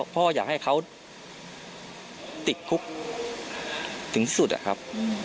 พ่ออยากให้เขาติดคุกถึงสุดอะครับ